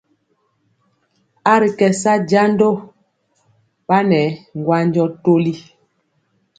A ri kɛ sa jando ɓanɛ ŋgwanjɔ toli.